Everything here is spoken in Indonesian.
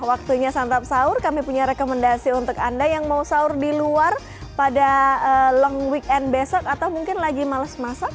waktunya santap sahur kami punya rekomendasi untuk anda yang mau sahur di luar pada long weekend besok atau mungkin lagi males masak